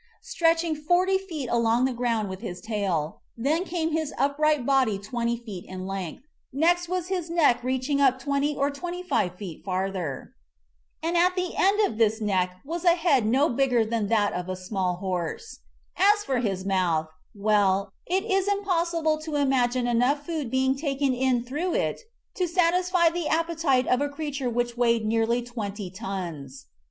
Stretching forty feet along the ground was his tail; then came his upright body twenty feet in length ; next was his neck reaching up twenty or twenty five feet far ther. And at the end of this neck was v^s. MODEL OF DIPLODOCUS AND MAN TO SHOW COMPARATIVE SIZE a head no bigger than that of a small horse. As for his mouth, well, it is impossible to imagine enough food being taken in through it to satisfy the appetite of a creature which weighed nearly twenty tons.